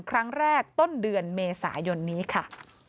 ครั้งแรกต้นเดือนเมษายนนี้ค่ะ